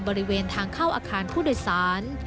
บริเวณทางเข้าอาคารผู้โดยสาร